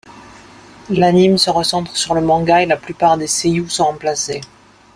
L'anime se recentre sur le manga et la plupart des seiyū sont remplacés.